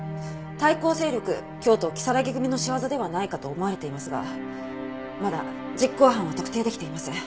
対抗勢力京都如月組の仕業ではないかと思われていますがまだ実行犯は特定できていません。